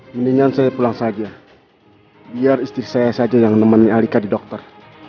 mendingan saya pulang saja biar istri saya saja yang nemenin alika di dokter